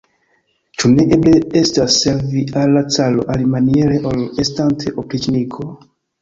Ĉu ne eble estas servi al la caro alimaniere, ol estante opriĉniko?